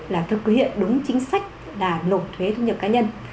là thực hiện đúng chính sách là nộp thuế thu nhập cá nhân